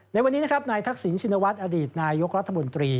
ในวันนี้นะครับนายทักษิณชินวัฒน์อดีตนายกรัฐมนตรี